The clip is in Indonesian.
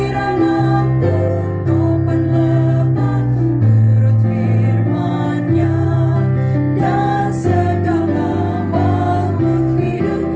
mari kita lihat sisi sisi perempuan itu